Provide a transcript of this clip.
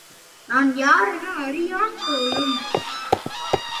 நான் யாரென அறியான்போலும்.